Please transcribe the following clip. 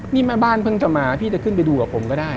นี่แม่บ้านเพิ่งจะมาพี่จะขึ้นไปดูกับผมก็ได้